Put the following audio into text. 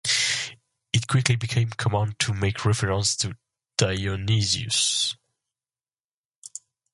It quickly became common to make reference to Dionysius.